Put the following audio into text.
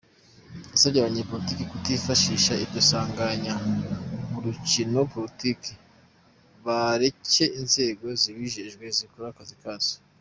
Yasavye abanyepolitike kutifashisha iryo sanganya mu gukina politike, bareke inzego zibijejwe zikore akazi kazo.